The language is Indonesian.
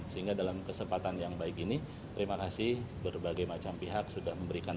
sehingga dalam kesempatan yang baik ini terima kasih berbagai macam pihak sudah memberikan